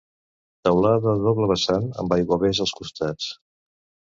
Teulada a doble vessant amb aiguavés als costats.